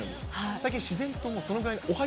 最近、自然ともうそのぐらいＯｈａ！